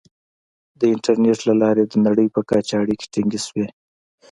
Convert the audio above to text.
• د انټرنیټ له لارې د نړۍ په کچه اړیکې ټینګې شوې.